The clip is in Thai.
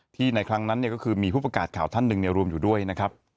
ในครั้งนั้นก็คือมีผู้ประกาศข่าวท่านหนึ่งรวมอยู่ด้วยนะครับ